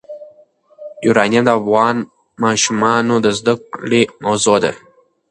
یورانیم د افغان ماشومانو د زده کړې موضوع ده.